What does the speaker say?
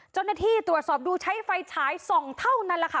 เจ้าหน้าที่ตรวจสอบดูใช้ไฟฉายส่องเท่านั้นแหละค่ะ